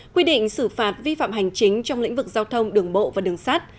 quy định xử phạt vi phạm hành chính trong lĩnh vực giao thông đường bộ và đường sắt